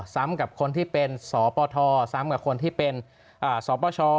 ซ้ำกับคนที่เป็นสปทซ้ำกับคนที่เป็นสปช